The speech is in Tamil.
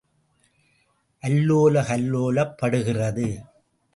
அல்லோல கல்லோலப் படுகிறது.